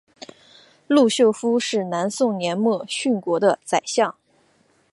陆秀夫是南宋末年殉国的宰相。